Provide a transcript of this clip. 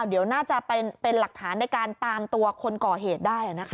เดี๋ยวน่าจะเป็นหลักฐานในการตามตัวคนก่อเหตุได้